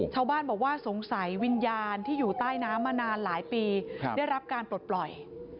ชาวบ้านบอกว่าสงสัยวิญญาณที่อยู่ใต้น้ำมานานหลายปีได้รับการปลดปล่อย